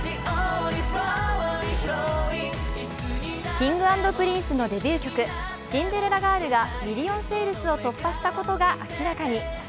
Ｋｉｎｇ＆Ｐｒｉｎｃｅのデビュー曲「シンデレラガール」がミリオンセールスを突破したことが明らかに。